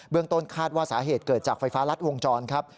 ต้นคาดว่าสาเหตุเกิดจากไฟฟ้ารัดวงจรครับ